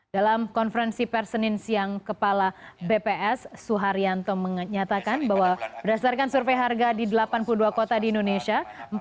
dalam konferensi per senin siang kepala bps suharyanto menyatakan bahwa berdasarkan survei harga di delapan puluh dua kota di indonesia